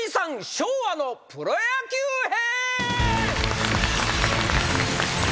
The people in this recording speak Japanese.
昭和のプロ野球編！